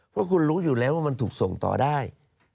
เพราะคุณรู้อยู่แล้วว่ามันถูกส่งต่อได้